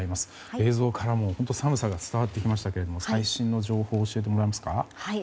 映像からも、本当に寒さが伝わってきましたけども最新の情報を教えてもらえますか。